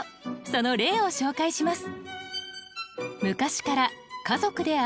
その例を紹介します。